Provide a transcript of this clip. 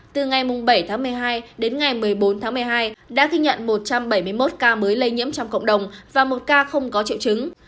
từ ngày bảy tháng một mươi hai đến ngày một mươi bốn tháng một mươi hai đã ghi nhận một trăm bảy mươi một ca mới lây nhiễm trong cộng đồng và một ca không có triệu chứng